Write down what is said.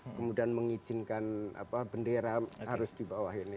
kemudian mengizinkan bendera harus di bawah ini